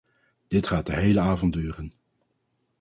Dit gaat de hele avond duren.